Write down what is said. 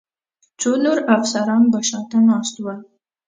څو نور افسران به شا ته ناست ول.